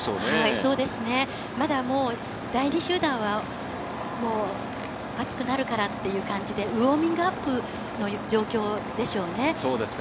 そうですね、まだ、もう第２集団は、もう暑くなるからっていう感じで、ウォーミングアップの状況でしょそうですか。